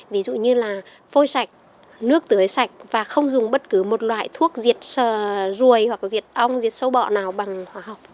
ví dụ như là phôi sạch nước tưới sạch và không dùng bất cứ một loại thuốc diệt sờ ruồi hoặc diệt ong diệt sâu bọ nào bằng hóa học